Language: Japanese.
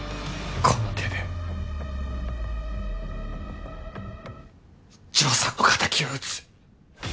この手で丈さんの敵を討つ。